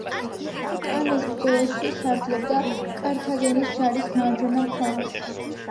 კანეს ბრძოლაში სარდლობდა კართაგენის ჯარის მარჯვენა ფლანგს.